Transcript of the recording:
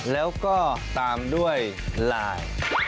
แล้วก็ตามด้วยไลน์